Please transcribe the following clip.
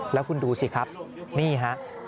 แล้วคุณดูสิครับนี่ฮะ